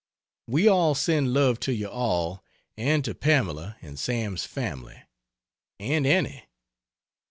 We all send love to you all and to Pamela and Sam's family, and Annie.